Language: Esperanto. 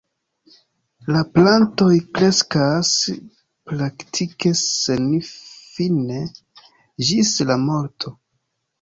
La plantoj kreskas praktike senfine, ĝis la morto.